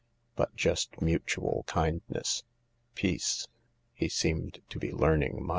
|>ut just mutual kindness — peace. He seemed to be learning much.